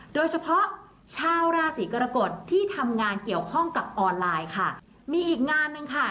โดยเฉพาะชาวราศีกรกฎที่ทำงานเกี่ยวข้องกับออนไลน์ค่ะมีอีกงานหนึ่งค่ะ